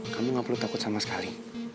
kamu gak perlu takut sama sekali